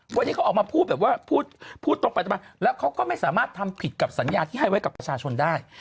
วันนี้เขาออกมาพูดแบบว่าพูดตรงไปตรงมาแล้วเขาก็ไม่สามารถทำผิดกับสัญญาที่ให้ไว้กับประชาชนได้